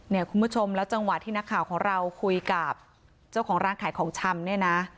คุณผู้ชมแล้วจังหวะที่นักข่าวของเราคุยกับเจ้าของร้านขายของชำเนี่ยนะ